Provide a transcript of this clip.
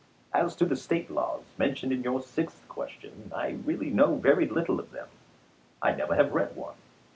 As to the State laws, mentioned in your sixth question, I really know very little of them. I never have read one.